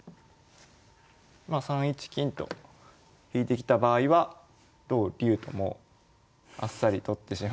まあ３一金と引いてきた場合は同竜ともうあっさり取ってしまって。